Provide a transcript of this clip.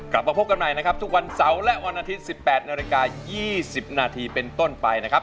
กลับมาพบกันใหม่นะครับทุกวันเสาร์และวันอาทิตย์๑๘นาฬิกา๒๐นาทีเป็นต้นไปนะครับ